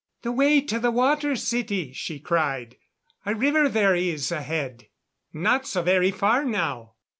"The way to the Water City," she cried. "A river there is ahead. Not so very far now."